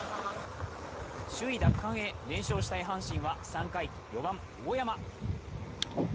首位奪還へ連勝したい阪神は３回、４番・大山。